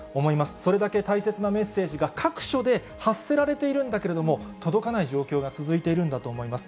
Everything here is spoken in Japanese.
それだけ大切なメッセージが各所で発せられているんだけれども、届かない状況が続いてるんだと思います。